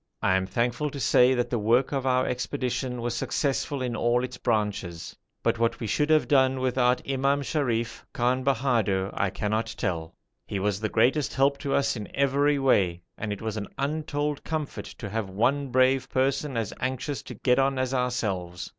I am thankful to say that the work of our expedition was successful in all its branches; but what we should have done without Imam Sharif, Khan Bahadur, I cannot tell. He was the greatest help to us in every way, and it was an untold comfort to have one brave person as anxious to get on as ourselves.